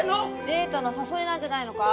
デートの誘いなんじゃないのか？